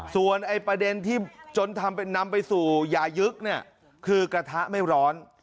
ส่วนประเด็นที่จนทำเป็นนำไปสู่ยายึกเนี่ยคือกระทะไม่ร้อน